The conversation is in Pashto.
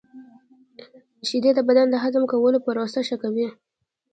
• شیدې د بدن د هضم کولو پروسه ښه کوي.